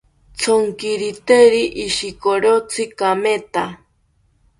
Tsonkiriteri ishikorotsi kametha